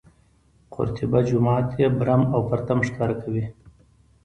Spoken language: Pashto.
قورطیبه جومات یې برم او پرتم ښکاره کوي.